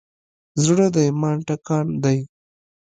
زړه د ایمان ټکان دی.